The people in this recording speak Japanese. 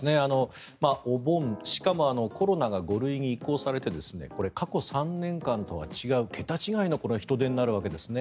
お盆、しかもコロナが５類に移行されて過去３年間とは違う桁違いの人出になるわけですね。